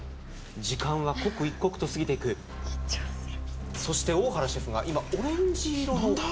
時間は刻一刻と過ぎていく緊張するそして大原シェフが今オレンジ色のなんだ？